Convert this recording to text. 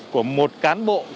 của một cán bộ công an